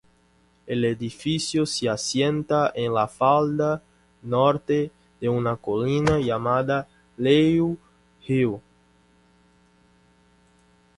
El edificio se asienta en la falda norte de una colina llamada Leigh Hill.